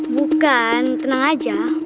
bukan tenang aja